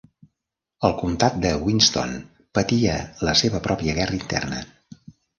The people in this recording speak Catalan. El comtat de Winston patia la seva pròpia guerra interna.